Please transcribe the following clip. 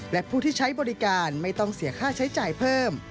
และผู้ที่ใช้บริการไม่ต้องเสียค่าใช้จ่ายเพิ่ม